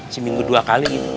seminggu dua kali gitu